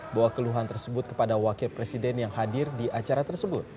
bahwa keluhan tersebut kepada wakil presiden yang hadir di acara tersebut